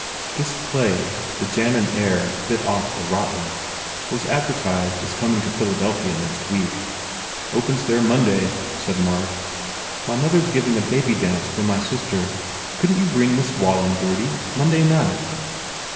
This play the Jannan heir bit off a "rotten" was advertised as coming to Philadelphia next week. "Opens there Monday/ said Mark. u My mother s giving a baby dance for my sis ter. Couldn t you bring Miss Walling, Gurdy? Monday night."